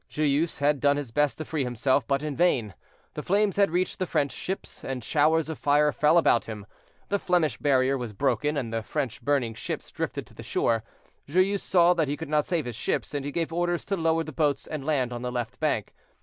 Joyeuse had done his best to free himself, but in vain; the flames had reached the French ships, and showers of fire fell about him. The Flemish barrier was broken, and the French burning ships drifted to the shore. Joyeuse saw that he could not save his ships, and he gave orders to lower the boats, and land on the left bank.